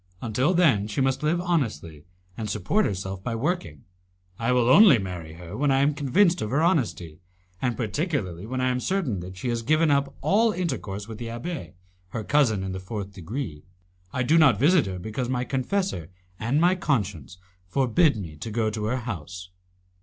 Until then she must live honestly, and support herself by working. I will only marry her when I am convinced of her honesty, and particularly when I am certain that she has given up all intercourse with the abbé, her cousin in the fourth degree. I do not visit her because my confessor and my conscience forbid me to go to her house."